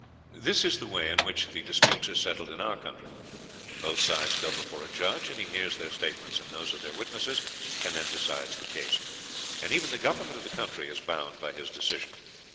This is the way in which the disputes are settled in our country. Both sides go before a judge, and he hears their statements and those of their witnesses, and then decides the case; and even the government of the country is bound by his decision.